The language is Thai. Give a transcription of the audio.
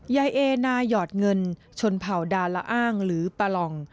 ยายเอนาหยอดเงินชนเผ่าดาละอ้างหรือปะหล่อง